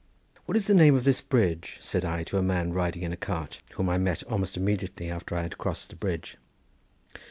"What is the name of this bridge?" said I to a man riding in a cart whom I met almost immediately after I had crossed the bridge.